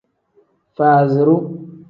Faaziru.